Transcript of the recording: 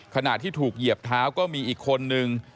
ขณะที่ถูกเหยียบเท้าก็มีอีกคนนึง